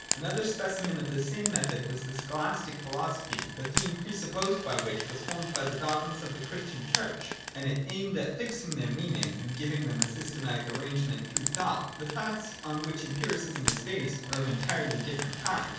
Another specimen of the same method was the Scholastic philosophy, the theme pre supposed by which was formed by the dogmas of the Christian Church : and it aimed at fixing their meaning and giving them a systematic arrangement through thought. — The facts on which Empiri cism is based are of entirely different kind.